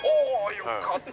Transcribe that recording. よかった。